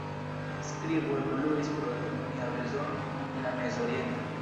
Skribo evoluis pro ekonomia bezono en la Mezoriento.